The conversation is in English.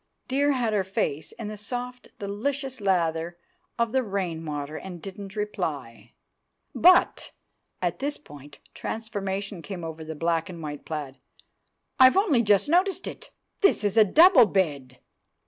Dear had her face in the soft delicious lather of the rainwater, and didn't reply. "But"—at this point transformation came over the black and white plaid—"I've only just noticed it! This is a double bed!